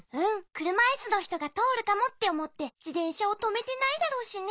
「くるまいすのひとがとおるかも」っておもってじてんしゃをとめてないだろうしね。